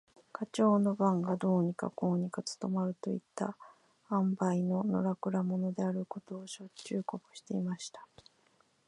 ガチョウの番がどうにかこうにか務まるといった塩梅の、のらくら者であることを、しょっちゅうこぼしていました。